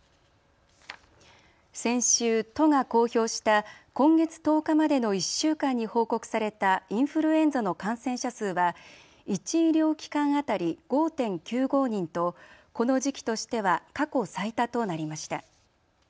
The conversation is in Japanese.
先週、都が公表した今月１０日までの１週間に報告されたインフルエンザの感染者数は１医療機関当たり５．９５人とこの時期としては過去最多となりました。